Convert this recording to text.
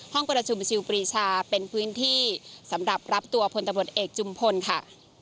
ประชุมชิลปรีชาเป็นพื้นที่สำหรับรับตัวพลตำรวจเอกจุมพลค่ะ